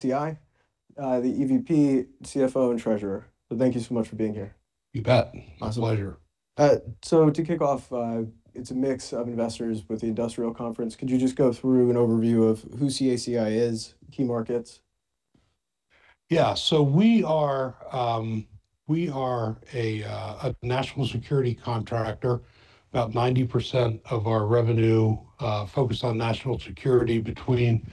CACI, the EVP, CFO, and treasurer. Thank you so much for being here. You bet. My pleasure. To kick off, it's a mix of investors with the industrial conference. Could you just go through an overview of who CACI is, key markets? Yeah. We are a national security contractor. About 90% of our revenue focused on national security between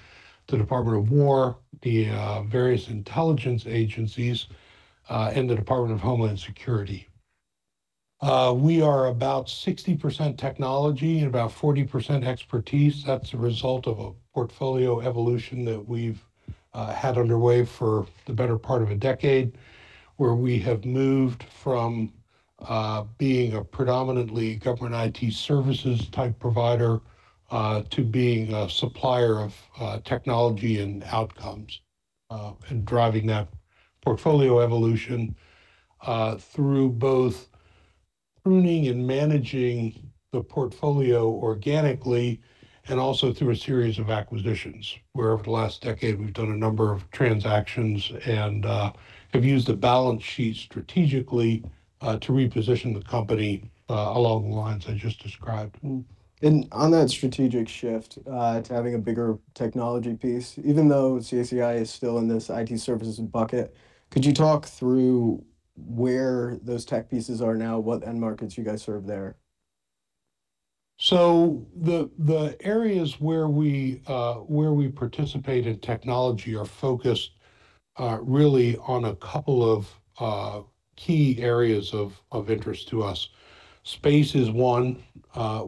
the Department of Defense, the various intelligence agencies, and the Department of Homeland Security. We are about 60% technology and about 40% expertise. That's a result of a portfolio evolution that we've had underway for the better part of a decade, where we have moved from being a predominantly government IT services type provider to being a supplier of technology and outcomes and driving that portfolio evolution through both pruning and managing the portfolio organically, and also through a series of acquisitions. Where over the last decade, we've done a number of transactions and have used the balance sheet strategically to reposition the company along the lines I just described. On that strategic shift, to having a bigger technology piece, even though CACI is still in this IT services bucket, could you talk through where those tech pieces are now, what end markets you guys serve there? The areas where we participate in technology are focused really on a couple of key areas of interest to us. Space is one,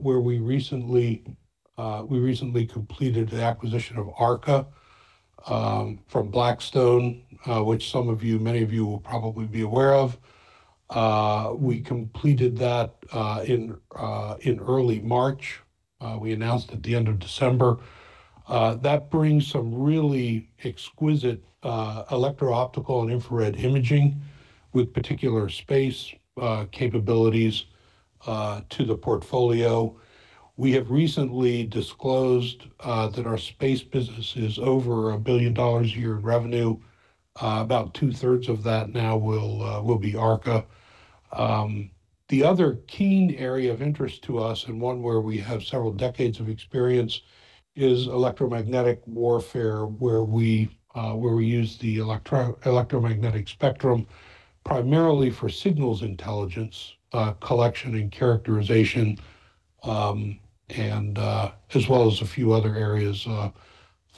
where we recently we recently completed the acquisition of ARKA from Blackstone, which some of you, many of you will probably be aware of. We completed that in early March, we announced at the end of December. That brings some really exquisite electro-optical and infrared imaging with particular space capabilities to the portfolio. We have recently disclosed that our space business is over $1 billion a year in revenue. About two-thirds of that now will be ARKA. The other key area of interest to us, and one where we have several decades of experience, is electromagnetic warfare, where we use the electromagnetic spectrum primarily for signals intelligence collection and characterization, as well as a few other areas,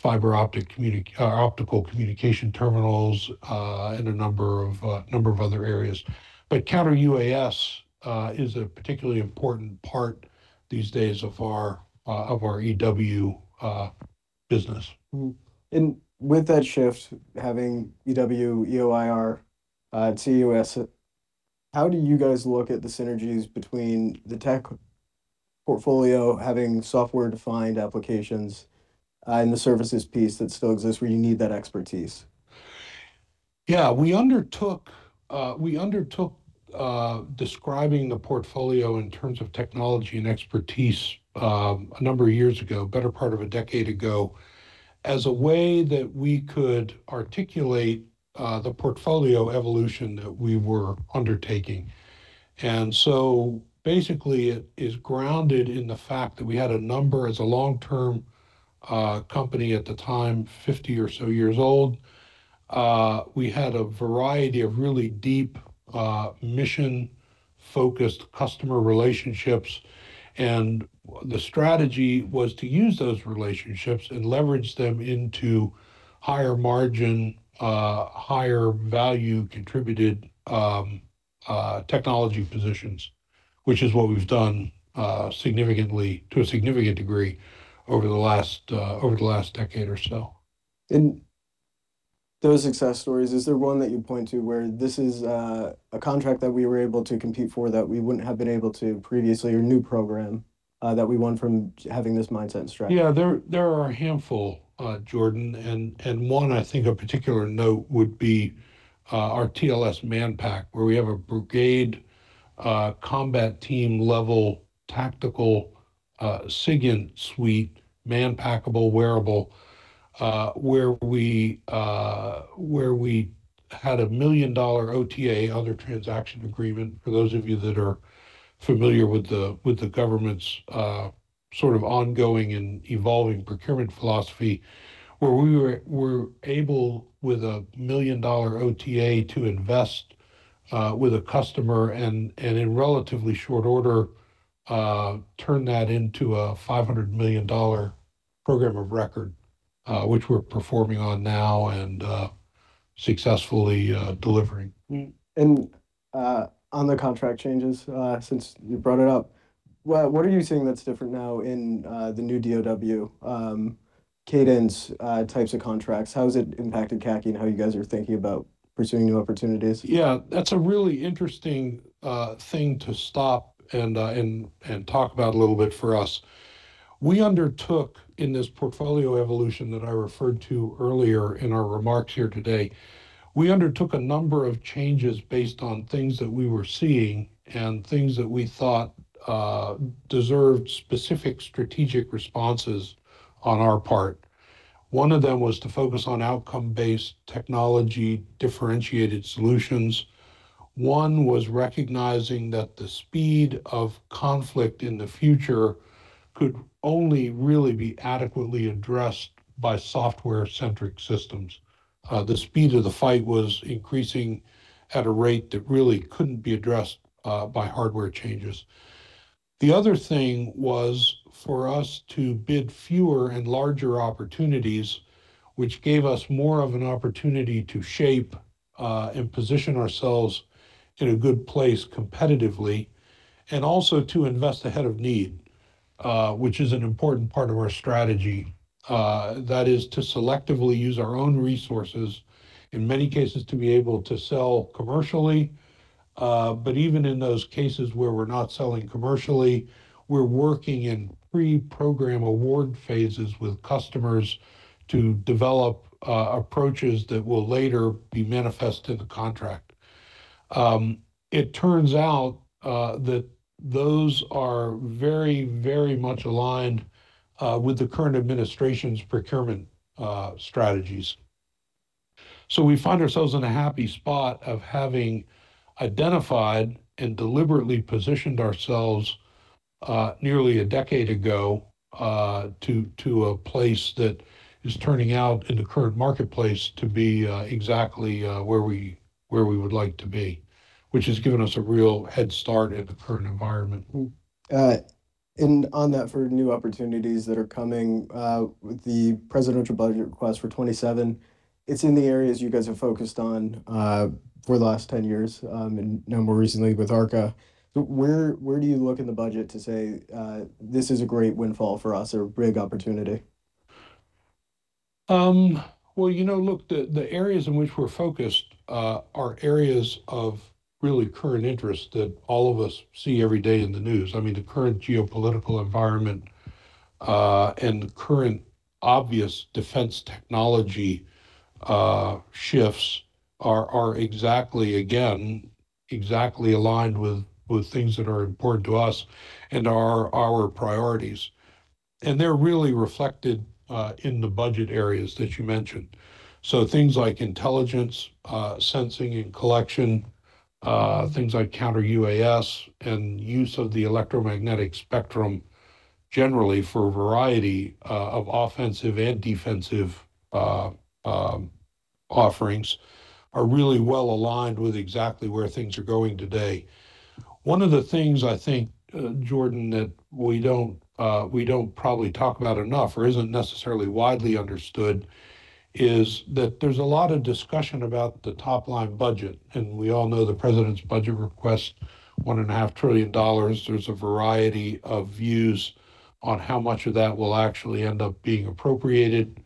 optical communication terminals, and a number of other areas. Counter UAS is a particularly important part these days of our EW business. Mm-hmm. With that shift, having EW, EOIR, C-UAS, how do you guys look at the synergies between the tech portfolio, having software-defined applications, and the services piece that still exists where you need that expertise? Yeah. We undertook describing the portfolio in terms of technology and expertise, a number of years ago, better part of a decade ago, as a way that we could articulate the portfolio evolution that we were undertaking. Basically, it is grounded in the fact that we had a number as a long-term company at the time, 50 or so years old. We had a variety of really deep mission-focused customer relationships, and the strategy was to use those relationships and leverage them into higher margin, higher value contributed technology positions, which is what we've done significantly, to a significant degree over the last decade or so. In those success stories, is there one that you'd point to where this is a contract that we were able to compete for that we wouldn't have been able to previously, or new program that we won from having this mindset and strategy? Yeah. There are a handful, Jordan, and one I think of particular note would be, our TLS Manpack, where we have a brigade, combat team level tactical, SIGINT suite, manpackable wearable, where we had a $1 million OTA, other transaction agreement, for those of you that are familiar with the, with the government's, sort of ongoing and evolving procurement philosophy, where we were able, with a $1 million OTA, to invest, with a customer and in relatively short order, turn that into a $500 million program of record, which we're performing on now and successfully delivering. On the contract changes, since you brought it up, what are you seeing that's different now in the new [DOW] cadence, types of contracts? How has it impacted CACI and how you guys are thinking about pursuing new opportunities? Yeah. That's a really interesting thing to stop and talk about a little bit for us. In this portfolio evolution that I referred to earlier in our remarks here today, we undertook a number of changes based on things that we were seeing and things that we thought deserved specific strategic responses on our part. One of them was to focus on outcome-based technology differentiated solutions. One was recognizing that the speed of conflict in the future could only really be adequately addressed by software-centric systems. The speed of the fight was increasing at a rate that really couldn't be addressed by hardware changes. The other thing was for us to bid fewer and larger opportunities, which gave us more of an opportunity to shape, and position ourselves in a good place competitively, and also to invest ahead of need, which is an important part of our strategy. That is to selectively use our own resources, in many cases, to be able to sell commercially. Even in those cases where we're not selling commercially, we're working in pre-program award phases with customers to develop, approaches that will later be manifest to the contract. It turns out, that those are very, very much aligned, with the current administration's procurement, strategies. We find ourselves in a happy spot of having identified and deliberately positioned ourselves, nearly a decade ago, to a place that is turning out in the current marketplace to be, exactly, where we would like to be, which has given us a real head start in the current environment. On that for new opportunities that are coming with the presidential budget request for 2027, it's in the areas you guys have focused on for the last 10 years, and now more recently with ARKA. Where, where do you look in the budget to say, "This is a great windfall for us or a big opportunity? Well, you know, look, the areas in which we're focused are areas of really current interest that all of us see every day in the news. I mean, the current geopolitical environment and the current obvious defense technology shifts are exactly aligned with things that are important to us and our priorities. They're really reflected in the budget areas that you mentioned. Things like intelligence, sensing and collection, things like Counter-UAS, and use of the electromagnetic spectrum generally for a variety of offensive and defensive offerings are really well aligned with exactly where things are going today. One of the things I think, Jordan, that we don't, we don't probably talk about enough or isn't necessarily widely understood is that there's a lot of discussion about the top-line budget, and we all know the president's budget request, $1.5 trillion. There's a variety of views on how much of that will actually end up being appropriated.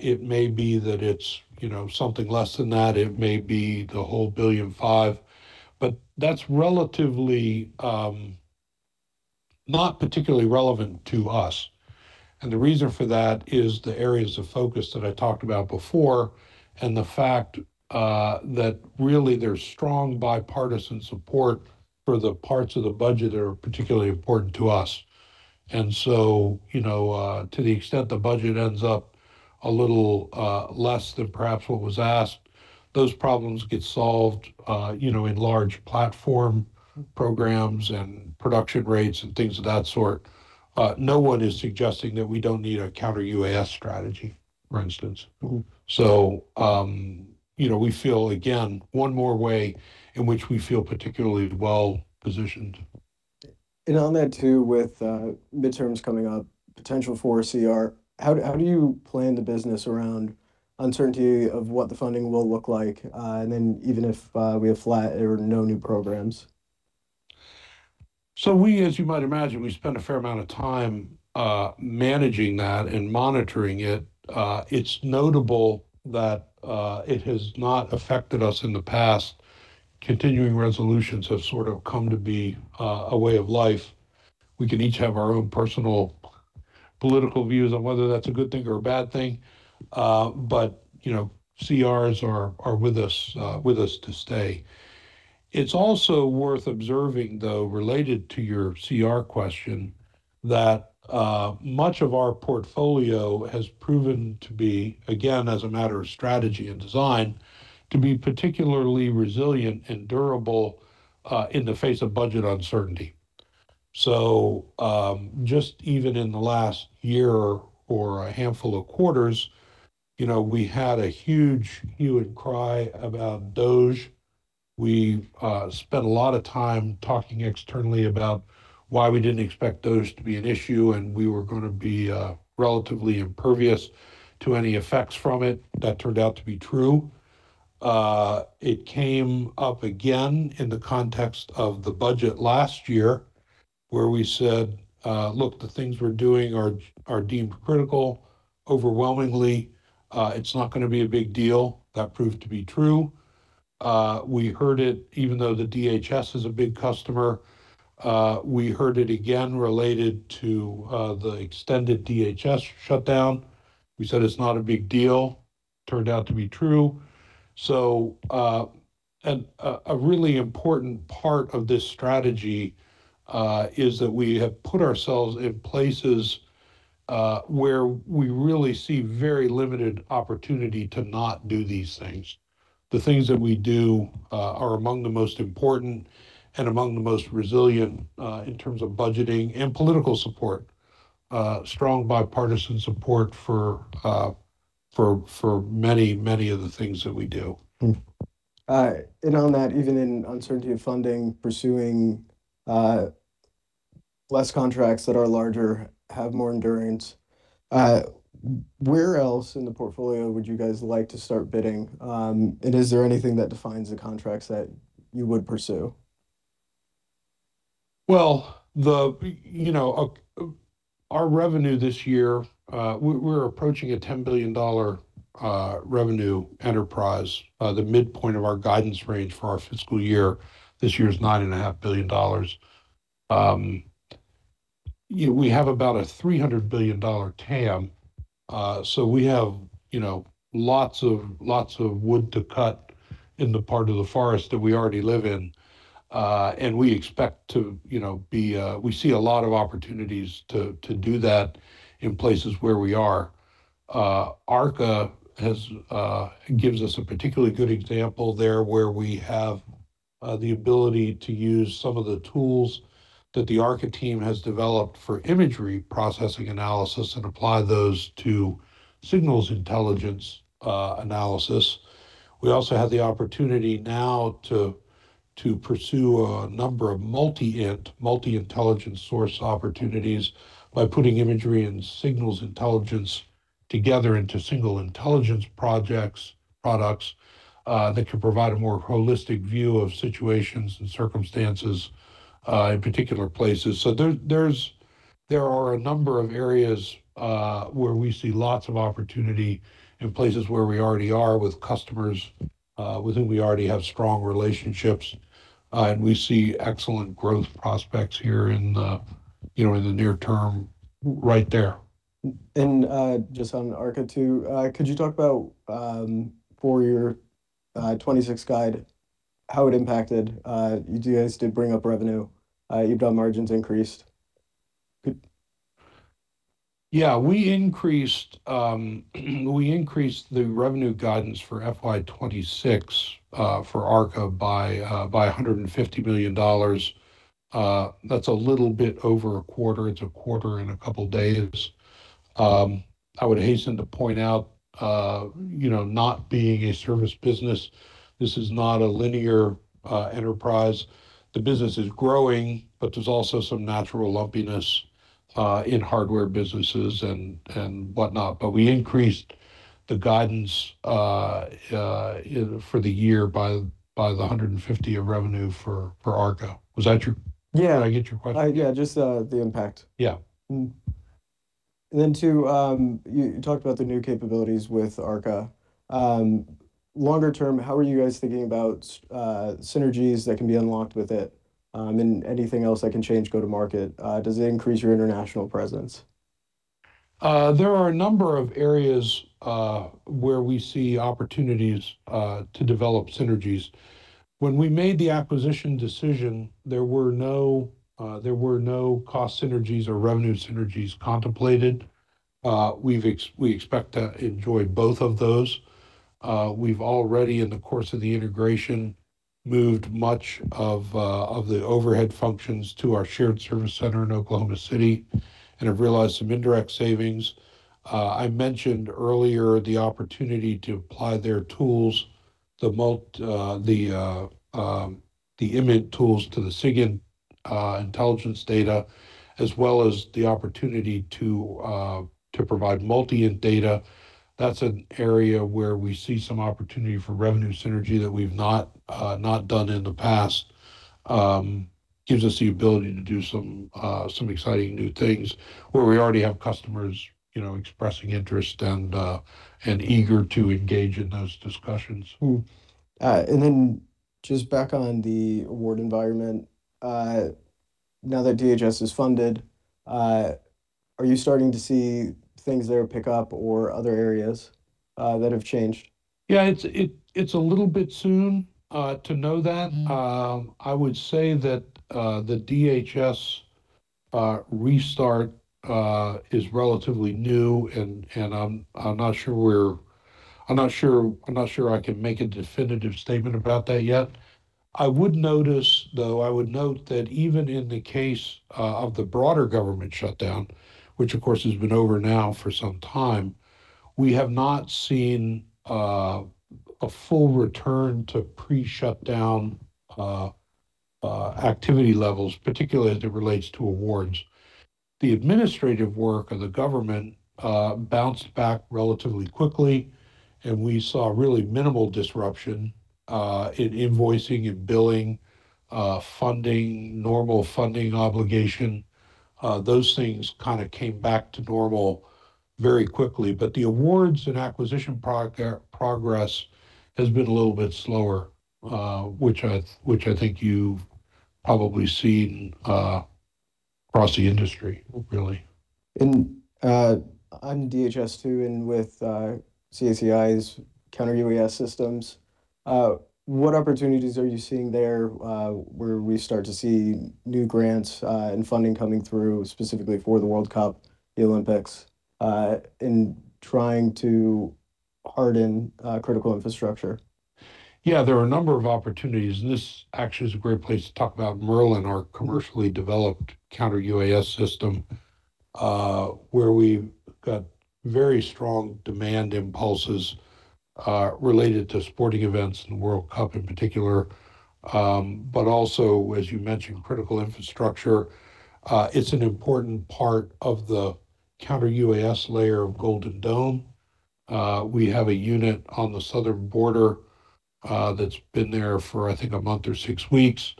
It may be that it's, you know, something less than that. It may be the whole $1.5 billion. That's relatively, not particularly relevant to us, and the reason for that is the areas of focus that I talked about before and the fact that really there's strong bipartisan support for the parts of the budget that are particularly important to us. You know, to the extent the budget ends up a little less than perhaps what was asked, those problems get solved, you know, in large platform programs and production rates and things of that sort. No one is suggesting that we don't need a C-UAS strategy, for instance. You know, we feel, again, one more way in which we feel particularly well-positioned. On that too, with midterms coming up, potential for CR, how do you plan the business around uncertainty of what the funding will look like, and then even if we have flat or no new programs? We, as you might imagine, we spend a fair amount of time managing that and monitoring it. It's notable that it has not affected us in the past. Continuing resolutions have sort of come to be a way of life. We can each have our own personal political views on whether that's a good thing or a bad thing, but, you know, CRs are with us to stay. It's also worth observing, though, related to your CR question, that much of our portfolio has proven to be, again, as a matter of strategy and design, to be particularly resilient and durable in the face of budget uncertainty. Just even in the last year or a handful of quarters, you know, we had a huge hue and cry about DOGE. We spent a lot of time talking externally about why we didn't expect those to be an issue, and we were gonna be relatively impervious to any effects from it. That turned out to be true. It came up again in the context of the budget last year, where we said, "Look, the things we're doing are deemed critical. Overwhelmingly, it's not gonna be a big deal." That proved to be true. We heard it even though the DHS is a big customer. We heard it again related to the extended DHS shutdown. We said it's not a big deal. Turned out to be true. A really important part of this strategy is that we have put ourselves in places where we really see very limited opportunity to not do these things. The things that we do are among the most important and among the most resilient in terms of budgeting and political support. Strong bipartisan support for many, many of the things that we do. On that, even in uncertainty of funding, pursuing less contracts that are larger, have more endurance, where else in the portfolio would you guys like to start bidding? Is there anything that defines the contracts that you would pursue? Well, you know, our revenue this year, we're approaching a $10 billion revenue enterprise. The midpoint of our guidance range for our fiscal year this year is $9.5 billion. You know, we have about a $300 billion TAM, so we have, you know, lots of wood to cut in the part of the forest that we already live in. We see a lot of opportunities to do that in places where we are. ARKA has, gives us a particularly good example there, where we have the ability to use some of the tools that the ARKA team has developed for imagery processing analysis and apply those to signals intelligence analysis. We also have the opportunity now to pursue a number of multi-int, multi-intelligence source opportunities by putting imagery and signals intelligence together into single intelligence projects, products, that can provide a more holistic view of situations and circumstances in particular places. There are a number of areas where we see lots of opportunity in places where we already are with customers with whom we already have strong relationships. We see excellent growth prospects here in, you know, in the near term right there. Just on ARKA too, could you talk about for your 26 guide, how it impacted, you guys did bring up revenue, EBITDA margins increased? Yeah. We increased the revenue guidance for FY 2026, for ARKA by $150 million. That's a little bit over a quarter. It's a quarter in a couple days. I would hasten to point out, you know, not being a service business, this is not a linear enterprise. The business is growing, but there's also some natural lumpiness in hardware businesses and whatnot. But we increased the guidance, you know, for the year by the 150 of revenue for ARKA. Yeah Did I get your question? Yeah, just, the impact. Yeah. Then to, you talked about the new capabilities with ARKA. Longer term, how are you guys thinking about synergies that can be unlocked with it, and anything else that can change go-to-market? Does it increase your international presence? There are a number of areas where we see opportunities to develop synergies. When we made the acquisition decision, there were no, there were no cost synergies or revenue synergies contemplated. We expect to enjoy both of those. We've already, in the course of the integration, moved much of the overhead functions to our shared service center in Oklahoma City and have realized some indirect savings. I mentioned earlier the opportunity to apply their tools, the image tools to the SIGINT intelligence data, as well as the opportunity to provide multi-int data. That's an area where we see some opportunity for revenue synergy that we've not not done in the past. Gives us the ability to do some exciting new things where we already have customers, you know, expressing interest and eager to engage in those discussions. Just back on the award environment, now that DHS is funded, are you starting to see things there pick up or other areas that have changed? Yeah, it's a little bit soon to know that. I would say that the DHS restart is relatively new, and I'm not sure I can make a definitive statement about that yet. I would notice, though, I would note that even in the case of the broader government shutdown, which of course has been over now for some time, we have not seen a full return to pre-shutdown activity levels, particularly as it relates to awards. The administrative work of the government bounced back relatively quickly, and we saw really minimal disruption in invoicing and billing, funding, normal funding obligations. Those things kind of came back to normal very quickly. The awards and acquisition progress has been a little bit slower, which I think you've probably seen across the industry, really. I'm DHS too, and with CACI's counter-UAS systems, what opportunities are you seeing there, where we start to see new grants and funding coming through specifically for the World Cup, the Olympics, in trying to harden critical infrastructure? Yeah, there are a number of opportunities, this actually is a great place to talk about Merlin, our commercially developed counter-UAS system, where we've got very strong demand impulses related to sporting events and the World Cup in particular. Also, as you mentioned, critical infrastructure. It's an important part of the counter-UAS layer of Golden Dome. We have a unit on the southern border that's been there for, I think, a month or six weeks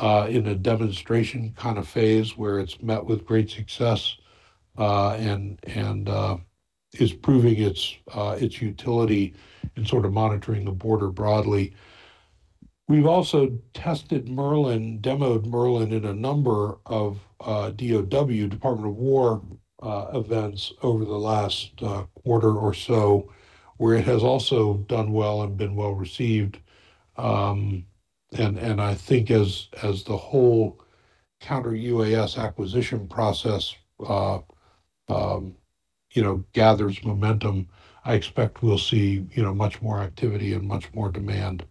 in a demonstration kind of phase where it's met with great success and is proving its utility in sort of monitoring the border broadly. We've also tested Merlin, demoed Merlin in a number of [DOW], Department of Defense events over the last quarter or so, where it has also done well and been well received. I think as the whole Counter-UAS acquisition process, you know, gathers momentum, I expect we'll see, you know, much more activity and much more demand.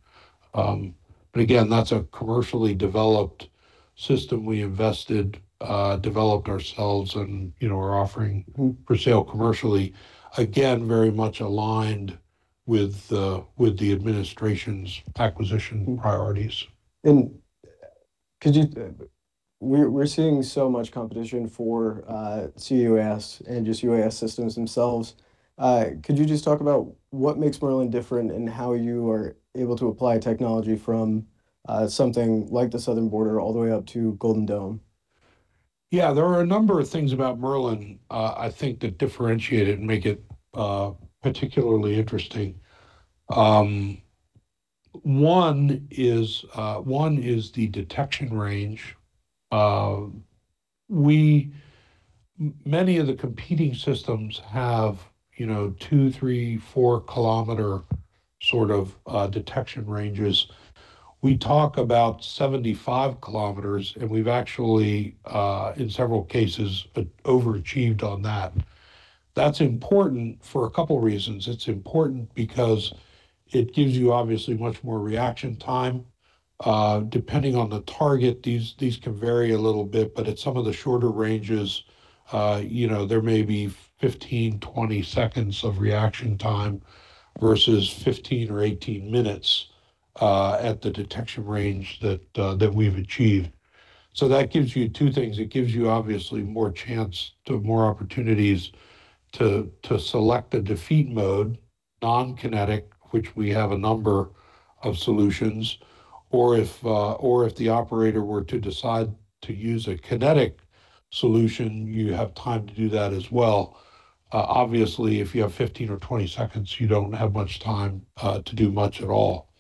Again, that's a commercially developed system we invested, developed ourselves and, you know, are offering for sale commercially. Again, very much aligned with the administration's acquisition priorities. Could you, we're seeing so much competition for C-UAS and just UAS systems themselves. Could you just talk about what makes Merlin different and how you are able to apply technology from something like the southern border all the way up to Golden Dome? There are a number of things about Merlin, I think that differentiate it and make it particularly interesting. One is the detection range. Many of the competing systems have, you know, 2, 3, 4 km sort of detection ranges. We talk about 75 kilometers, and we've actually in several cases overachieved on that. That's important for a couple reasons. It's important because it gives you obviously much more reaction time. Depending on the target, these can vary a little bit, but at some of the shorter ranges, you know, there may be 15, 20 seconds of reaction time versus 15 or 18 minutes at the detection range that we've achieved. That gives you two things. It gives you obviously more chance to, more opportunities to select a defeat mode, non-kinetic, which we have a number of solutions, or if the operator were to decide to use a kinetic solution, you have time to do that as well. Obviously, if you have 15 or 20 seconds, you don't have much time to do much at all.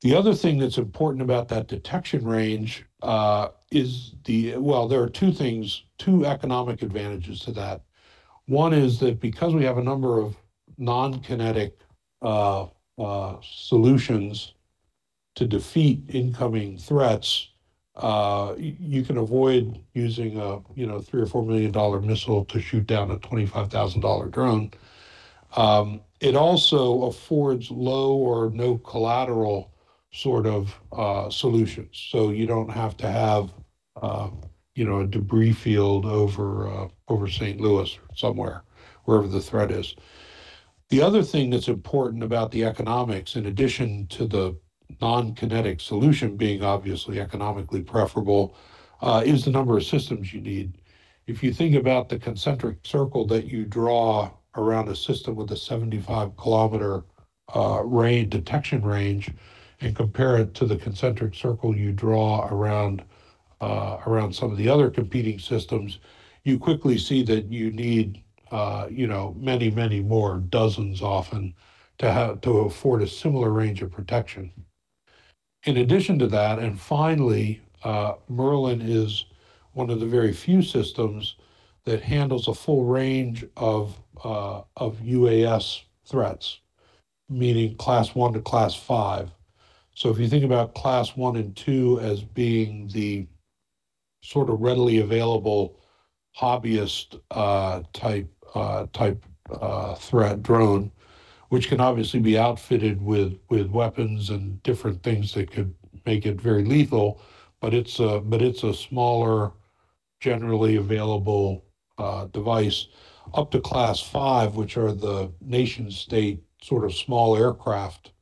The other thing that's important about that detection range. Well, there are two things, two economic advantages to that. One is that because we have a number of non-kinetic solutions to defeat incoming threats, you can avoid using a, you know, $3 million or $4 million missile to shoot down a $25,000 drone. It also affords low or no collateral sort of solutions. You don't have to have, you know, a debris field over St. Louis or somewhere, wherever the threat is. The other thing that's important about the economics, in addition to the non-kinetic solution being obviously economically preferable, is the number of systems you need. If you think about the concentric circle that you draw around a system with a 75 km range, detection range, and compare it to the concentric circle you draw around some of the other competing systems, you quickly see that you need, you know, many, many more, dozens often, to have, to afford a similar range of protection. In addition to that, and finally, Merlin is one of the very few systems that handles a full range of UAS threats, meaning class 1 to class 5. If you think about class 1 and 2 as being the sort of readily available hobbyist, type threat drone, which can obviously be outfitted with weapons and different things that could make it very lethal, but it's a smaller, generally available device. Up to class 5, which are the nation-state sort of small aircraft,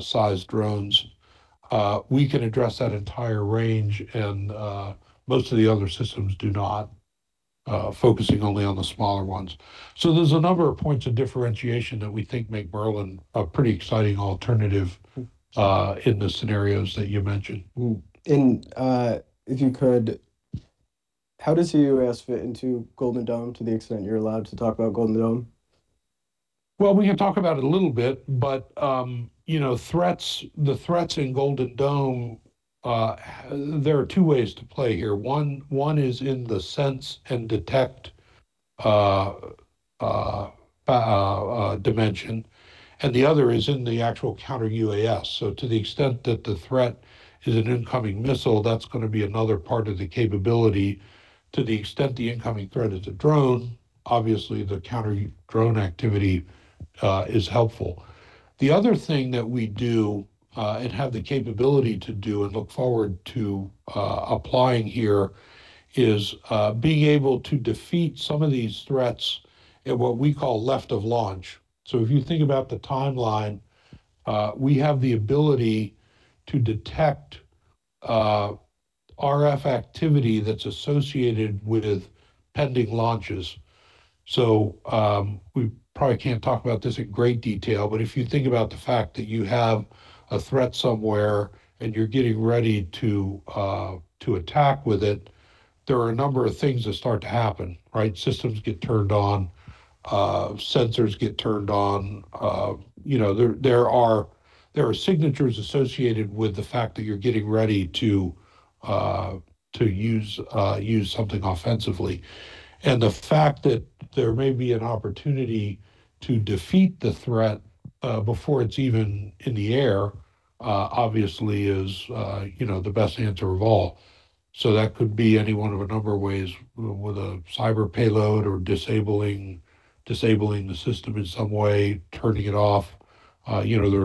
sized drones, we can address that entire range and most of the other systems do not. Focusing only on the smaller ones. There's a number of points of differentiation that we think make Merlin a pretty exciting alternative in the scenarios that you mentioned. If you could, how does UAS fit into Golden Dome to the extent you're allowed to talk about Golden Dome? We can talk about it a little bit, you know, threats, the threats in Golden Dome, there are two ways to play here. One is in the sense-and-detect dimension, the other is in the actual Counter-UAS. To the extent that the threat is an incoming missile, that's gonna be another part of the capability. To the extent the incoming threat is a drone, obviously the counter-drone activity is helpful. The other thing that we do, have the capability to do and look forward to applying here is being able to defeat some of these threats at what we call left of launch. If you think about the timeline, we have the ability to detect RF activity that's associated with pending launches. We probably can't talk about this in great detail, but if you think about the fact that you have a threat somewhere and you're getting ready to attack with it, there are a number of things that start to happen. Systems get turned on, sensors get turned on. You know, there are signatures associated with the fact that you're getting ready to use something offensively. The fact that there may be an opportunity to defeat the threat before it's even in the air obviously is, you know, the best answer of all. That could be any one of a number of ways, with a cyber payload or disabling the system in some way, turning it off. You know, there are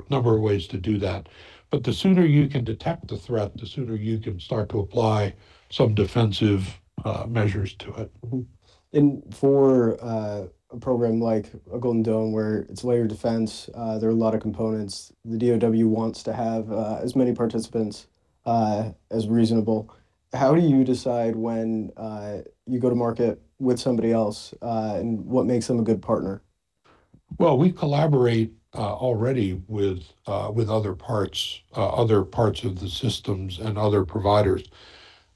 a number of ways to do that. The sooner you can detect the threat, the sooner you can start to apply some defensive measures to it. Mm-hmm. For a program like a Golden Dome where it's layered defense, there are a lot of components the [DOW] wants to have as many participants as reasonable. How do you decide when you go to market with somebody else and what makes them a good partner? Well, we collaborate already with other parts of the systems and other providers.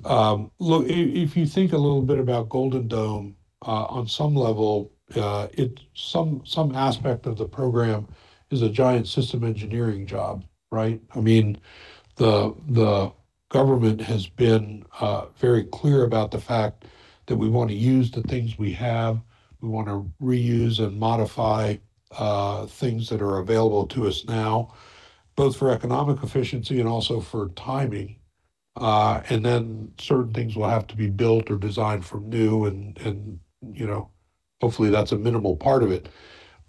Look, if you think a little bit about Golden Dome, on some level, some aspect of the program is a giant system engineering job, right? I mean, the government has been very clear about the fact that we wanna use the things we have. We wanna reuse and modify things that are available to us now, both for economic efficiency and also for timing. Then certain things will have to be built or designed from new and, you know, hopefully that's a minimal part of it.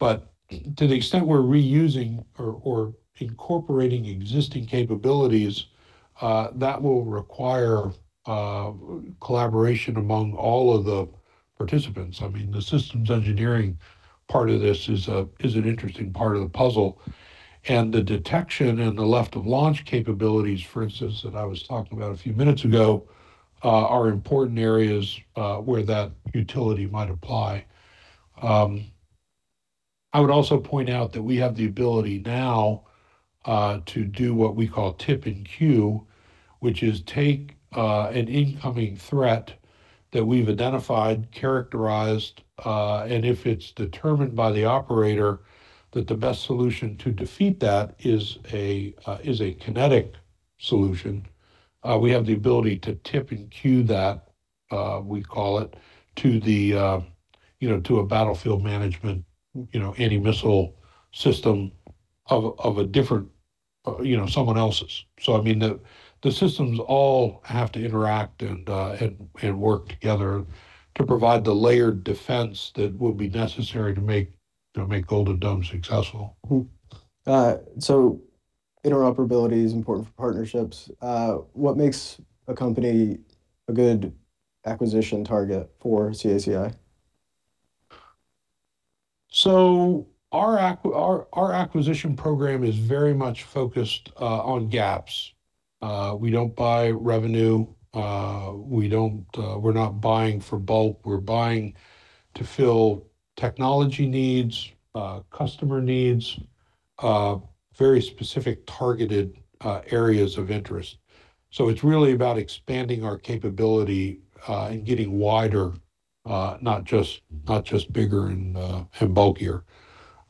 To the extent we're reusing or incorporating existing capabilities, that will require collaboration among all of the participants. I mean, the systems engineering part of this is an interesting part of the puzzle. The detection and the left-of-launch capabilities, for instance, that I was talking about a few minutes ago, are important areas where that utility might apply. I would also point out that we have the ability now to do what we call tip and cue, which is take an incoming threat that we've identified, characterized, and if it's determined by the operator that the best solution to defeat that is a kinetic solution, we have the ability to tip and cue that, we call it, to the, you know, to a battlefield management, you know, any missile system of a different, you know, someone else's. I mean, the systems all have to interact and work together to provide the layered defense that will be necessary to make Golden Dome successful. Interoperability is important for partnerships. What makes a company a good acquisition target for CACI? Our acquisition program is very much focused on gaps. We don't buy revenue. We don't, we're not buying for bulk. We're buying to fill technology needs, customer needs, very specific targeted areas of interest. It's really about expanding our capability and getting wider, not just bigger and bulkier.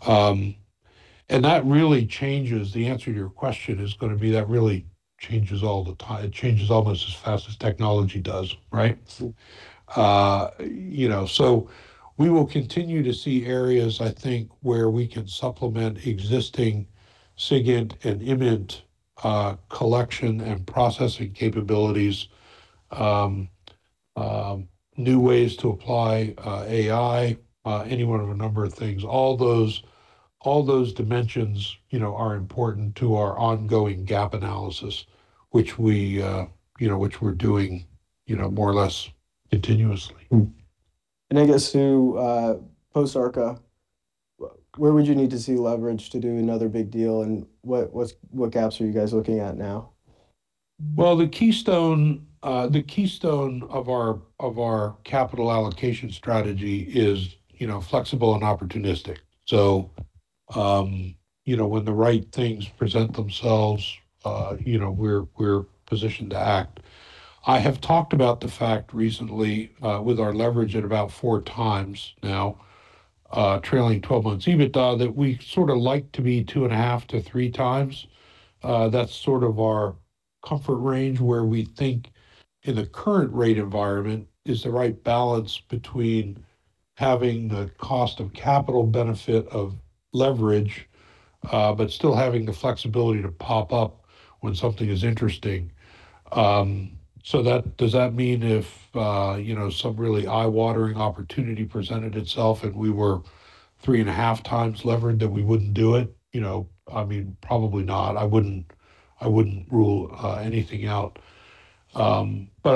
That really changes the answer to your question is gonna be that really changes all the it changes almost as fast as technology does, right? You know, we will continue to see areas, I think, where we can supplement existing SIGINT and [ELINT], collection and processing capabilities, new ways to apply AI, any one of a number of things. All those dimensions, you know, are important to our ongoing gap analysis, which we, you know, which we're doing, you know, more or less continuously. I guess to post-ARKA, where would you need to see leverage to do another big deal, and what gaps are you guys looking at now? Well, the keystone, the keystone of our, of our capital allocation strategy is, you know, flexible and opportunistic. You know, when the right things present themselves, you know, we're positioned to act. I have talked about the fact recently, with our leverage at about 4x now, trailing 12 months, even though that we sort of like to be 2.5 to 3x. That's sort of our comfort range where we think in the current rate environment is the right balance between having the cost of capital benefit of leverage, but still having the flexibility to pop up when something is interesting. Does that mean if, you know, some really eye-watering opportunity presented itself and we were 3.5x levered that we wouldn't do it? You know, I mean, probably not. I wouldn't rule anything out. I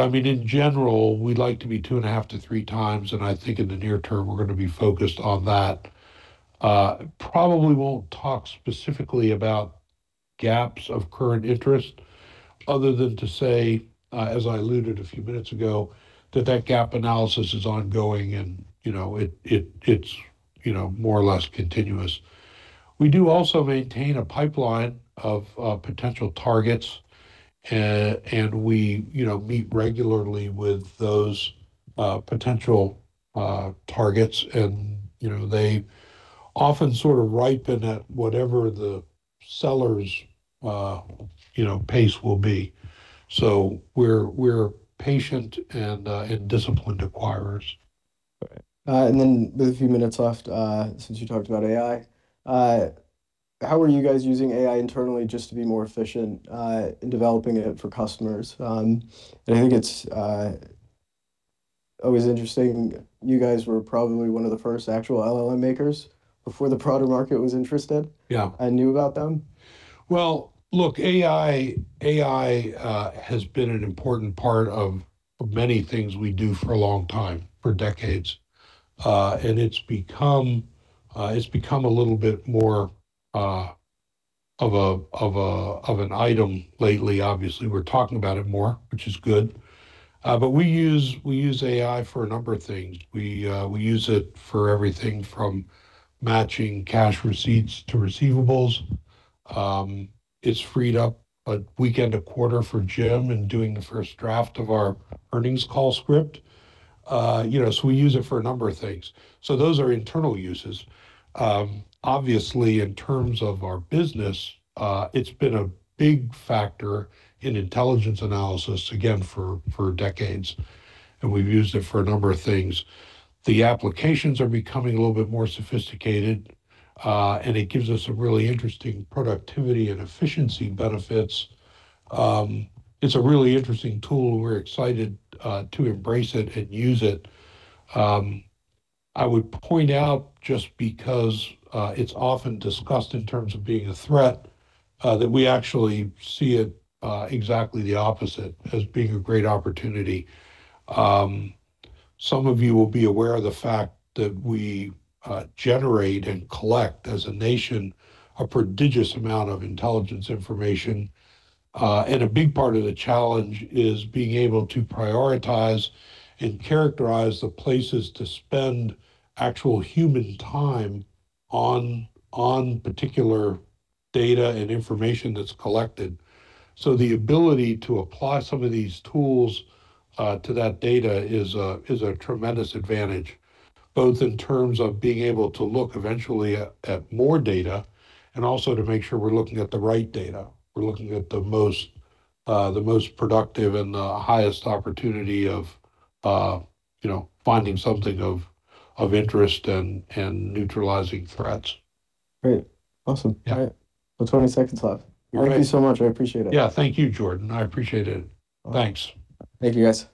mean, in general, we'd like to be two and a half to three times, and I think in the near term we're gonna be focused on that. Probably won't talk specifically about gaps of current interest other than to say, as I alluded a few minutes ago, that that gap analysis is ongoing and, you know, it's, you know, more or less continuous. We do also maintain a pipeline of potential targets, and we, you know, meet regularly with those potential targets and, you know, they often sort of ripen at whatever the seller's, you know, pace will be. We're patient and disciplined acquirers. Right. Then with a few minutes left, since you talked about AI, how are you guys using AI internally just to be more efficient, in developing it for customers? I think it's always interesting. You guys were probably one of the first actual LLM makers before the broader market was interested. Yeah and knew about them. Look, AI has been an important part of many things we do for a long time, for decades. It's become a little bit more of an item lately. Obviously, we're talking about it more, which is good. We use AI for a number of things. We use it for everything from matching cash receipts to receivables. It's freed up a weekend a quarter for Jim in doing the first draft of our earnings call script. You know, we use it for a number of things. Those are internal uses. Obviously, in terms of our business, it's been a big factor in intelligence analysis, again, for decades, and we've used it for a number of things. The applications are becoming a little bit more sophisticated, and it gives us some really interesting productivity and efficiency benefits. It's a really interesting tool. We're excited to embrace it and use it. I would point out just because it's often discussed in terms of being a threat, that we actually see it exactly the opposite, as being a great opportunity. Some of you will be aware of the fact that we generate and collect as a nation a prodigious amount of intelligence information. A big part of the challenge is being able to prioritize and characterize the places to spend actual human time on particular data and information that's collected. The ability to apply some of these tools to that data is a tremendous advantage, both in terms of being able to look eventually at more data and also to make sure we're looking at the right data. We're looking at the most, the most productive and the highest opportunity of, you know, finding something of interest and neutralizing threats. Great. Awesome. Yeah. All right. With 20 seconds left. You're right. Thank you so much. I appreciate it. Thank you, Jordan. I appreciate it. Thanks. Thank you, guys.